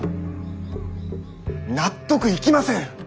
納得いきません。